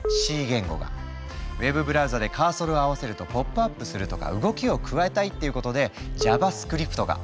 ウェブブラウザでカーソルを合わせるとポップアップするとか動きを加えたいっていうことで「ＪａｖａＳｃｒｉｐｔ」が。